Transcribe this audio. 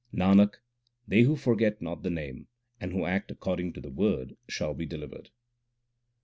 Nanak, they who forget not the Name, and who act according to the Word shall be delivered.